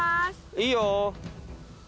いいよ！